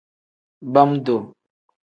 Bam-duu.